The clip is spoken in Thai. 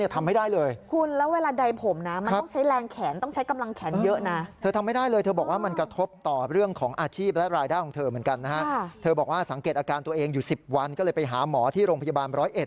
แต่แรงก็จะไม่เยอะเท่าก่อนที่เราจะฉีด